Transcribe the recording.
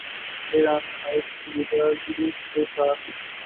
ایران نہایت سنجیدگی کے ساتھ